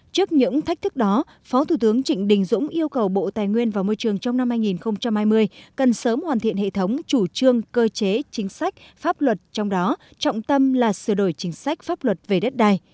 trước những thách thức đó phó thủ tướng trịnh đình dũng yêu cầu bộ tài nguyên và môi trường trong năm hai nghìn hai mươi cần sớm hoàn thiện hệ thống chủ trương cơ chế chính sách pháp luật trong đó trọng tâm là sửa đổi chính sách pháp luật về đất đai